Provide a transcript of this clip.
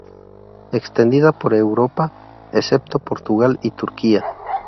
Extendida por Europa, excepto Portugal y Turquía.